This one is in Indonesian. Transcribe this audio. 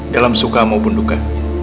dalam suka maupun duka